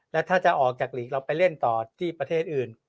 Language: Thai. แล้วถ้าจะออกจากหลีกเราไปเล่นต่อที่ประเทศอื่น